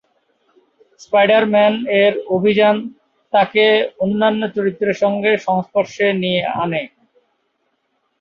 Spider Man এর অভিযান তাকে অন্যান্য চরিত্রদের সাথে সংস্পর্শে নিয়ে আনে।